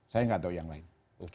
saya nggak tahu yang lain